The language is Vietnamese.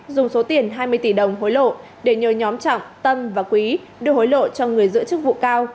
dùng số tiền hai mươi tỷ đồng hối lộ để nhờ nhóm trọng tâm và quý đưa hối lộ cho người giữ chức vụ cao